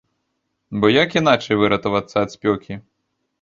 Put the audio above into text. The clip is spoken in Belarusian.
Бо як іначай выратавацца ад спёкі?